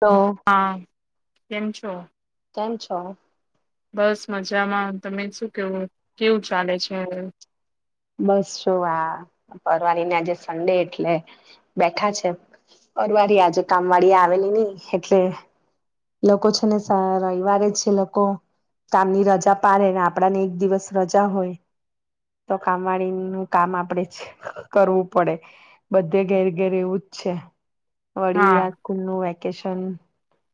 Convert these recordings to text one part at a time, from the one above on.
તો હા કેમ છો? સા છો. બસ મજામાં તમે શું કેવું કેવું ચાલે છે. બસ જો આ પરવાળને આજે સન્ડે એટલે બેઠા છે પરરવાળ આજે કામ વાળી આવેલી નહી એટલે લોકો છે ને રવિવારે જ છે લોકો કામની રજા પડ ને આપડાને એક દિવસ રજા હોય. તો કામવાળીનું કામ આપડે કરવું પડે બધે ઘેર ઘેર એવું જ છે. વળી હા આકું વ વેકેશન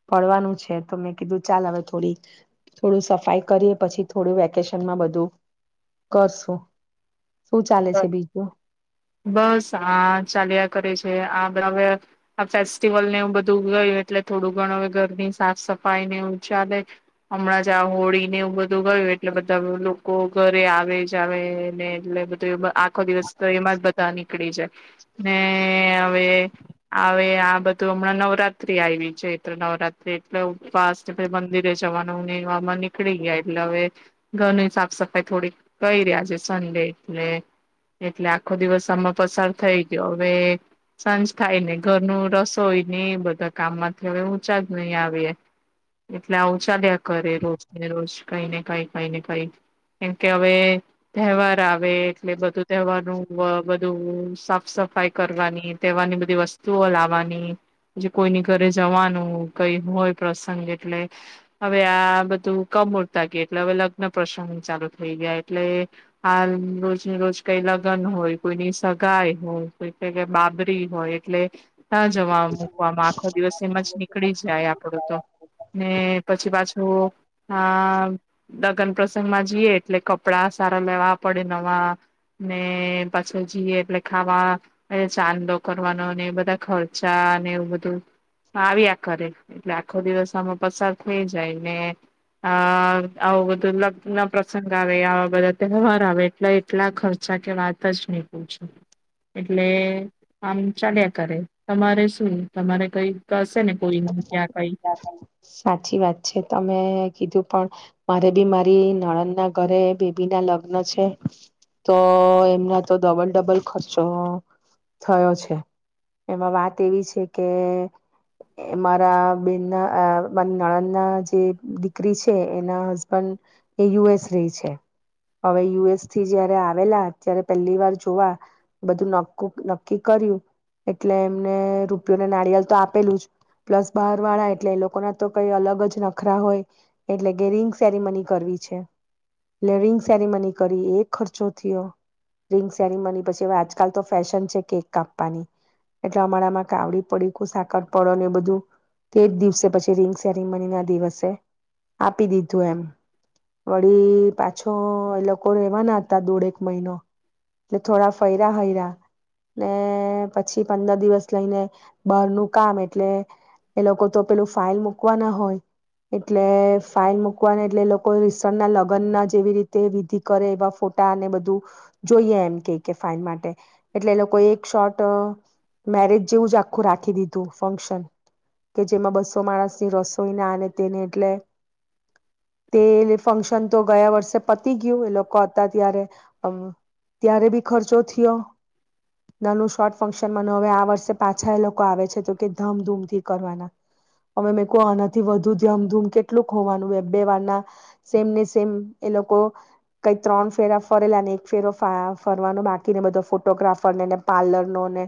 પડવાનું છે તો મે કીધુ ચાલ હવે થોડી થોડું સફાઈ કરીએ પછ થોડું વેકેશનમાં બધું કરશું. શું ચાલે બ છે બીજું? બસ હા ચાલ્યા કરે છે. આ બધ હવે આ ફેસ્ટિવલ ને એવું બધું ગયું એટલે થોડું ઘણ હવે ઘરની સાફ સફાઈ ને એવું ચાલે હમણાં જ આ હોળીને એવું બધું ગયું એટલે બધા લોકો ઘરે આવે જ આવેને એટલે આખો દિવસ તો એમાં જ બધા નીકળી જાય. ને હવે હ આ બધું હમણાં નવરાત્રી આવી છે તો નવરાત્રી એટલે ઉપવાસ મંદિરે જવાનું ને એમાં નીકળી ગયા એટલે હવે ઘરની સાફ સફાઈ થોડી કરી રહ્યા છે સડે એલે એટલે આખો દિવસ આમાં પસાર થઈ ગયો હવે સાંજ થાય ને ઘરનું રસોઈ ને એ બધા કામમાંથી હવે ઊંચા જ નહી આવે એટલે આ ઉચાાલ્યા કરે રોજ ને રોજ કઈને કઈ કઈ ને કઈ કેમકે હવે તહેવાર આવે હવે એટલે બધું તહેવાર બધું સાફ સફાઈ કરવાની તહેવારની બધી વસ્તુઓ લાવવાની જે કોઈની ઘરે જવાનું કઈ હોય પ્રસંગ એટલે હવે આ બધું કમરતા ગય એટલે હવે લગ્ન પ્રસંગ ચાલુ થઈ ગયા એટલે હાલ રોજ રોજ કઈ લગ્ન હોય કોઈની સગાઈ હોય કોઈ કઈઈ બાબરી હોય એટલે ના જવા મૂકવામાં આખો દિવસ એમાં જ નીકળી જાય આપડું તો ને પછી પાછું આ દગન પ્રસંગ માં જઈએે એટલે કપડા સારા લેવા પડે. પછી જીએ એટલે ખાવા એ ચાંદો કરવાનો એ બધા ખર્ચા એવું બધું આવ્યા કરે એટલે આખો દિવસ આમાં પસાર થઈ જાય ને અ આવું બધું લગન ના પ્રસંગ આવે આવા બધા તહેવાર આવે. એટલે એટલા ખર્ચા કે વાત જ નીકૂ છું એટલે આમ ચાલ્યા કરે તમારે શું તમારે કઈ હશે ને કોઈ ક્યાં કઈ સાચી વાત છે તમે કીધું પણ મારે બી મારી નણન ના ઘરે બેબી ના લગ્ન છે તો એમના તો ડબલ ડબલ ખર્ચો થયો છે એમાં વાત એવી છે કે મારા બેન ના મારી નણંદ ના જે દીકરી છે એના હસબન્ડ એ યુ એસ રહી છે હવે યુએસ થી જયારે આવેલા ત્યારે પહેલી વાર જોવા બધું ન નક્કી કર્યું એટલે એમને રૂપિયોને નારિયલ તો આપેલું જ. પ્લસ બહાર વાળા એટલે લોકો ના તો કઈ અલગ જ નખરા હોય એટલે કે રિંગ સેરીમની કરવી છે એટલે રિંગ સેરીમની કરી એ ખર્ચો થયો રિંગ સેરીમની પછી હવે આજકાલ તો ફેશન છે કેક કાપવાની એટલે અમારામાં ક આવડી પડીક સાકર- પળો ને એ બધું તે જ દિવસે પછી રીંગ સેરીમની ના દિવસે આપી દીધું એમ વળી પાછો એ લોકો રેવાના હતા દોડેક મહિનો એટ થોડા ફૈરા હૈરા ને પછી પંદર દિવસ લઈને બારનું કામ એટલે એ લોકો તો પેલું ફાાઈલ મુૂકવા ના હોય એટલે ફાઇલ મુૂકવાના એટલે એ લોકો રીસણ ના લગ્ન ના જેવી રીતે વિધિ કરે એવા ફોટાને બધું જોઈએ એમ કે કે ફાાઈલ માટે એટલે એ લોકો એક શોર્ટ મેરેજ જેવું જ આખું રાખી દીધું. કે જેમાં બસો માણસ ની રસોઈને આને તેને એટલે તે ફંક્શન તો ગયા વર્ષે પતી ગયું એ લોકો હતા ત્યારે ત્યારે બી ખર્ચો થયો નાનું શોર્ટ ફંક્શનમાં હવે આ વર્ષે પાછા એ લોકો આવે છે. ધૂથી કરવાના અમે મે કહ આનાથી વધુ ધમધૂમ કેટલું ખોવાનું બે વાર ના સેમ ને સેમ એ લોકો કઈ ત્રણ ફેરા ફરેલા એક ફેરો ફરવાનો બાકીને બધો ફોટોગ્રાફરનેને પાર્લર નો ને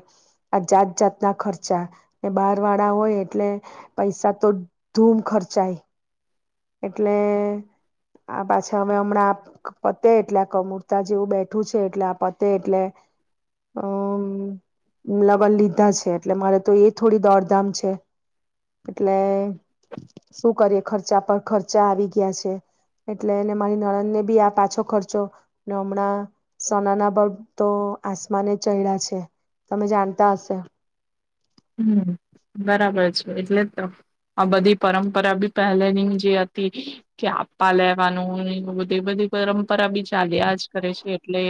આ જાત જાતના ખર્ચા એ બહાર વાળા હોય એટલે પૈસા તો ધૂમ ખર્ચાય એટલે આ પાછા હવે હમણાં પતે એટલે આ કમૂરતા જેવું બેઠું છે એટલે આ પતે એટલે અમ લગન લીધા છે એટલે મારે તો એ જ થોડી દોડધામ છે એટલે શું કરીએ ખર્ચા પર ખર્ચા આવી ગયા છે એટલે મારી નણદને બી આ પાછો ખર્ચો ને હમણાં સોનાના બળ તો આસમાને ચય્યા છે તમે જાણતા હશે. હમ બરાબર છે એટલે આ બધી પરંપરા બી પહેલેની જે હતી કે આપવા લેવાનું બધી બધી પરંપરા બી ચાલ્યા જ કરે છે એટલે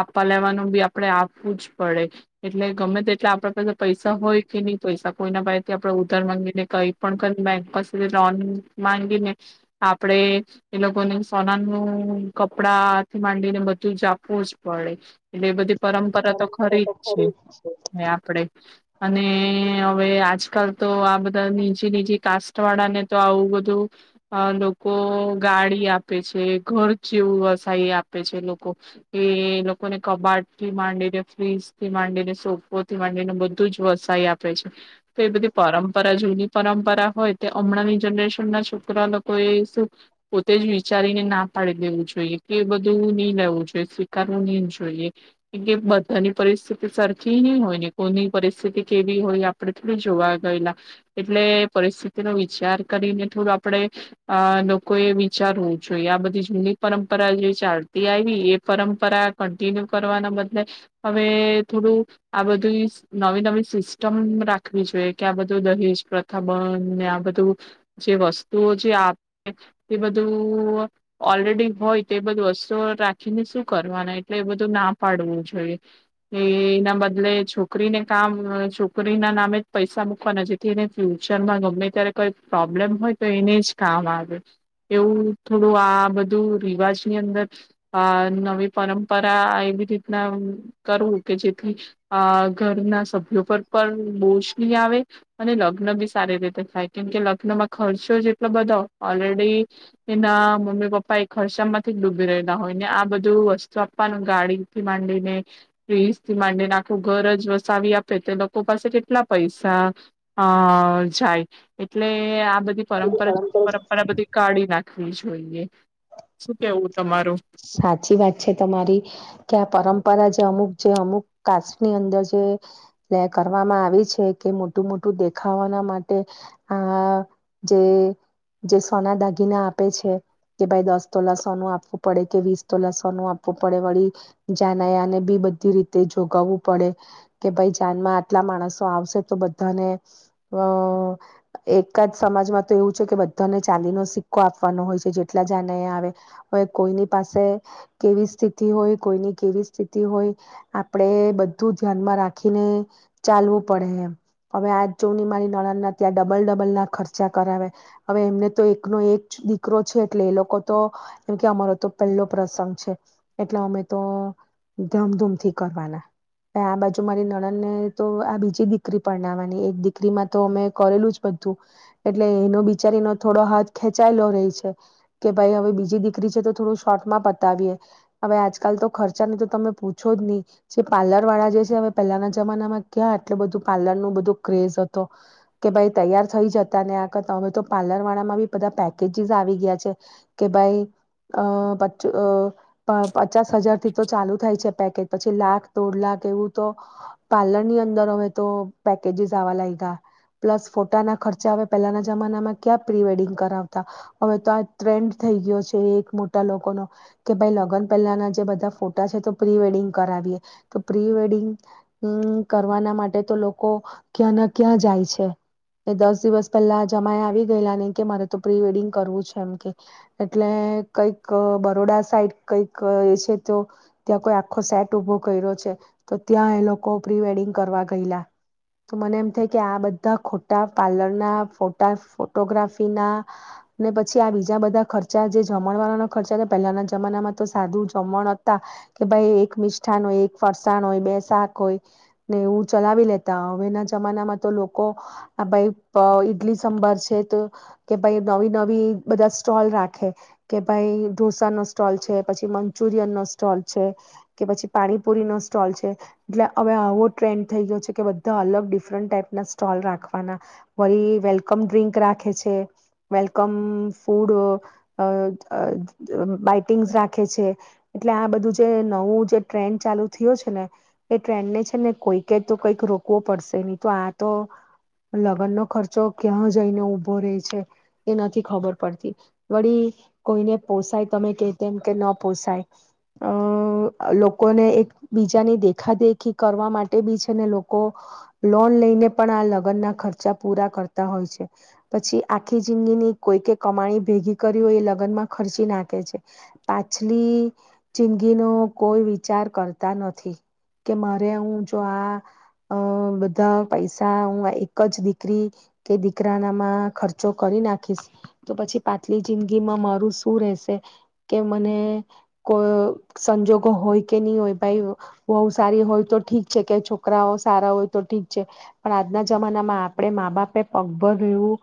આપવા લેવાનું બી આપડે આપવું જ પડે એટલે ગમે તે એટલે આપડ પસે પૈસા હોય કે નહી પૈસા કોઈના પસેથી આપણેે ઉધાર ગીને કઈ પણ ક બેંક પાસેથી લોન માંગીને આપડે એ લોકોને સોના નું કપડાથી માંડીને બધું જ આપવું જ પડે. એટલે એ બધી પરંપરા તો ખરી જ છે આપડે અને હવે આજકાલ તો આ બધા નીજી નીજી કાસ્ટ વાળાને તો આવું બધું લોકો ગાડી આપે છે ઘર જેવું વસાય આપે છે લોકો કે લોકોને કબાટ થી માંડીને ફ્રીજ થી માંડીને સોફો થી માંડીને બ વસ આપે છે તો એ બધી પરંપરા જૂની પરંપરા હોય તે હમણાંની જનરેશન ના છોકરા લોકો એ શું પોતે જ વિચારીને ના પાડી દેવું જોઈએ કે બધું નહી લેવું જોઈએ સ્વીકારવું નહી જોઈએ કે બધાની પરિસ્થિતિ સરખી નહી હોય ને કોની પરિસ્થિતિ કેવી હોય આપડે થોડી જોવા ગયેલા એટલે પરિસ્થિતિનોો વિચાર કરીને થોડું આપણેે અ લોકો એ વિચારવું જોઈએ આ બધી જૂની પરંપરા જે ચાલતી આવી એ પરંપરા કન્ટિન્યુ કરવાના બદલે હવે થોડું આ બધું નવી નવી સિસ્ટમ રાખવી જોઈએ કે આ બધું દહેજ પ્રથા બંધ ને આ બધું જે વસ્તુઓ જે આપે એ બધું ઓલરેડી હોય તે એ બધી વસ્તુઓ રાખીને શું કરવાના એટલે એ બધું ના પાડવું જોઈએ એ એના બદલે છોક છોકરીને કામ છોકરીના નામે જ પૈસા મૂકવાના જેથી એને ફ્યુચરમાં ગમે ત્યારે કોઈ પ્રોબ્લેમ હોય તો એને જ કામ આવે એવું થોડું આ બધું રિવાજની અંદર નવી પરંપરા એવી રીતના કરવું કે જેથી ઘરના સભ્યો પર પણ બોશ નહી આવે અને લગ્ન બી સારી રીતે થાય કેમકે લગ્નમાં ખર્ચો જે એટલો બધો ઓલરેડી એના મમ્મી પપ્પા એ ખર્ચા માંથી જ ડૂબી રહેલા હોય ને આ બધું વસ્તુ આપવાનું ગાડી થી માંડીને ફ્રીઝ થી માંડીને આખું ઘર જ વસાવી આપે તે લોકો પાસે કેટલા પૈસા અ જાય એટલે બધી પરંપરા છે બધી પરંપરા બધી કાઢી ના રાવી જોઈએ શું કેવું તમારું. સાચી વાત છે તમારી કે આ પરંપરા જે અમુક જે અમુક કાસની અંદર જે કરવામાં આવી છે કે મોટું મોટું દેખાવાના માટે આ જે સોના દાગીના આપે છે કે ભાઈ દસ તોલા સોનું આપવું. પડે કે વીસ તો લસવાનું આપવું પડે વળી જાાનયાને બી બધી રીતે જોગાવવું પડે કે ભાઈ જાનમાં આટલા માણસો આવશે તો બધાને અ એકદ સમાજમાં તો એવું છે કે બધાને ચાંદીનો સિક્કો આપવાનો હોય છે જેટલા જાનયા આવે કોઈની પાસે કેવી સ્થિતિ હોય કોઈની કેવી સ્થિતિ હોય આપડે બધું ધ્યાનમાં રાખીને ચાલવું પડે એમ હવે આ જોની મારી નળણ ના ત્યાં ડબલ ડબલ ના ખર્ચા કરાવે હવે એમને તો એકનો એક દીકરો છે એટલે એ લોકો તો કે અમારો તો પહેલો પ્રસંગ છે એટલે અમે તો ધામધૂમથી કરવાના આ બાજુ મારી નણન ને તો આ બીજી દીકરી પર નાવાની એક દીકરીમાં તો અમે કરેલું જ બધું એટલે એનો બિચારીનો થોડો હાથ ખેંચાયેલો રહી છે કે ભાઈ હવે બીજી દીકરી થોું શોર્ટમાં પતાવીએ હવે આજકાલ તો ખર્ચાની તો તમે પૂછો જ નહી જે પાર્લર વાળા જે છે હ પહેલાના જમાનામાં કયા એટલે બધું પાર્લર નું બધું ક્રેઝ હતો કે ભાઈ તૈયાર થઈ જતા ને આ કરતા હવે તો પાર્લર વાળામાં બી બધા પેકેજીસ આવી ગયા છે કે ભાઈ. અ પ પચાસ હજાર થી તો ચાલુ થાય છે પેકેજ પછી લાખ દોઢ લાખ એવું તો પાર્લર ની અંદર હવે તો પેકેજીસ આવવા લાગ ગા પ્લસ ફોટાના ખર્ચા હવે પહેલાના જમાનામાં ક્યાં પ્રી વેડિંગ કરાવતા હવે તો આ ટ્રેન્ડ થઈ ગયો છે. મોટા કે ભાઈ લગ્ન પહેલાના જે બધા ફોટા છે તો પ્રી વેડિંગ કરાવીએ તો પ્રી વેડિંગ કરવાના માટે તો લોકો ક્યાં ના ક્યાં જાય છે એ દસ દિવસ પહેલા જમા આવી ગયેલા નને કે મારે તો પ્રી વેડિંગ કરવું છે એમ કે એટલે કઈક બરોડા સાઈડ કઈક એ છે તો ત્યાં કોઈ આખો સેટ ઉભો કર્યો છે તો ત્યાં એ લોકો પ્રી વેડિંગ કરવા ગયેલા તો મને એમ થાય કે આ બધા ખોટા પાર્લર ના ફટા ફોટોગ્રાફી ના ને પછી આ બીજા બધા ખર્ચા જે જમણ વાળા ન ખર્ચા પહેલાના જમાનામાં તો સાદું જમણ હતા કે ભાઈ એક મિષઠાાન હોય એક ફરસાણ હોય બે શાક હોય ને એવું ચલાવી લેતા હવે ના જમાનામાં તો લોકો આ ભાઈ ઈડલી સંભર છે તો કે ભાઈ નવી નવી બધા સ્ટોલ રાખે. કે ભાઈ ઢોસાનોો સ્ટોલ છે પછી મંચુરિયન નો સ્ટોલ છે કે પછી પાણીપુરી નો સ્ટોલ છે એટલે હવે આવો ટ્રેન્ડ થઈ ગયો છે કે બધા અલગ ડિફરન્ટ ટાાઈપના સ્ટોલ રાખવાના વળ વેલકમ ડ્રિંક રાખે છે વેલકમ ફૂડ. બાઈટિંગ્સ રાખે છે એટલે આ બધું જે નવું જે ટ્રેન્ડ ચાલુ થયયો છે ને એ ટ્રેન્ડને છે ને કોઈકે તો કંઈક રોકવો પડશે નહી તો આ તો લગ્નનો ખર્ચો ક્યાં જઈને ઊભો રહી છે એ નથી ખબર પડતી વળી કોઈને પોસાય તમે કે તેમ કે ન પોસાય અ લોકોને એક બીજાની દેખા દેખી કરવા માટે બી છે ને લોકો લોન લઈને પણ આ લગ્નના ખર્ચા પૂરા કરતા હોય છે પછી આખી જિંદગીની કોઈ કે કમાણી ભેગી કરી હોય એ ખર્ચી નાખે છે પાછલી જિંદગીનોો કોઈ વિચાર કરતા નથી કે મારે હું જો આ બધા પૈસા હું એક જ દીકરી કે દીકરા નામાં ખર્ચો કરી નાખીશ તો પછી પાછલી જિંદગીમાં માર શું રશે કે મને કોઈ સંજોગો હોય કે નહી હોય ભાઈ બહુ સારી હોય તો ઠીક છે કે છોકરાઓ સારા હોય તો ઠીક છે પણ આજના જમાનામાં આપણે મા બાપે પગભર રહેવું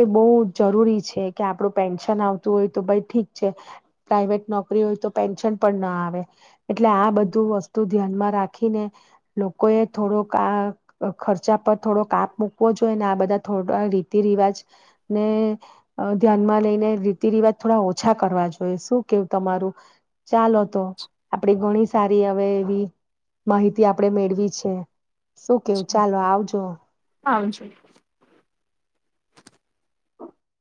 એ બહ જરૂરી છે કે આપણું પેન્શન આવતું હોય તો ભ ઠીક છે પ્રાાઈવેટ નોકરી હોય તો પેન્શન પણ ના આવે. એટલે આ બધું વસ્તુ ધ્યાનમાં રાખીને લોકોએ થોડો ખર્ચા પર થોડો કાપ મુૂકવો જોઈએ ને આ બધા થોડા રીતિ રિવાજ ને ધ્યાનમાં લઈને તે રિવાત થોડા ઓછા કરવા જોઈએ શું કેવું તમારું? ચાલો તો આપડી ગણ સારી હવે એવી માહિતી આપણે મેળવી છે. શું કેવું ચાલો આવજો. હ છે.